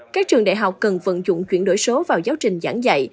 các trường đại học cần vận dụng chuyển đổi số vào giáo trình giảng dạy